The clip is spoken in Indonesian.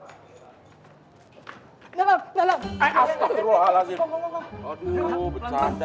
aduh bercanda aja